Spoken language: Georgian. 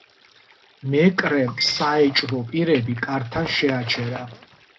მეკრემ საეჭვო პირები კართან შეაჩერა.